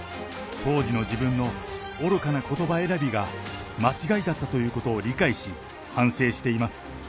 当時の自分の愚かなことば選びが間違いだったということを理解し、反省しています。